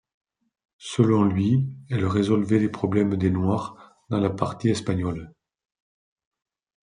Selon lui, elle résolvait les problèmes des Noirs dans la partie espagnole.